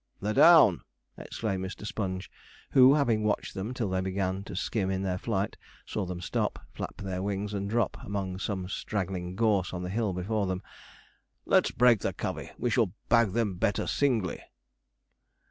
'They're down!' exclaimed Mr. Sponge, who, having watched them till they began to skim in their flight, saw them stop, flap their wings, and drop among some straggling gorse on the hill before them. 'Let's break the covey; we shall bag them better singly.'